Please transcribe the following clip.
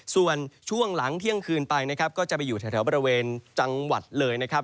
ส่วนช่วงหลังเที่ยงคืนไปนะครับก็จะไปอยู่แถวบริเวณจังหวัดเลยนะครับ